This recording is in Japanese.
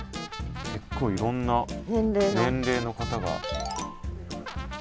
結構いろんな年齢の方が。